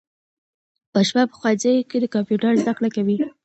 ماشومان په ښوونځیو کې د کمپیوټر زده کړه کوي.